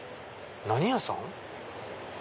何屋さん？